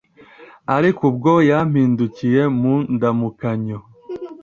Ariko ubwo yampindukiye mu ndamukanyo